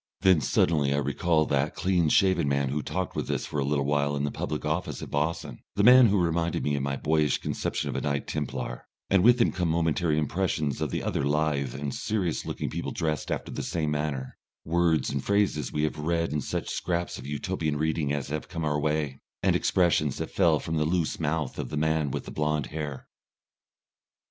Then suddenly I recall that clean shaven man who talked with us for a little while in the public office at Wassen, the man who reminded me of my boyish conception of a Knight Templar, and with him come momentary impressions of other lithe and serious looking people dressed after the same manner, words and phrases we have read in such scraps of Utopian reading as have come our way, and expressions that fell from the loose mouth of the man with the blond hair....